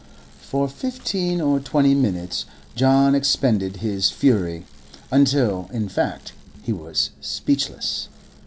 For fifteen or twenty minutes John expended his fury, until, in fact, he was speechless.